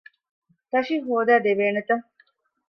ތަށި ހޯދައިދެވޭނެތަ؟